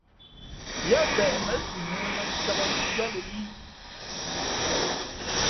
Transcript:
Yáá peʼ mά siʼ mōō mά mᾱncāk njwíátlᾱ í.